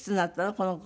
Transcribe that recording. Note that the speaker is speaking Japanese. この子は。